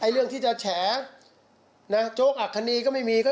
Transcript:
เรื่องที่จะแฉนะโจ๊กอักษณีก็ไม่มีก็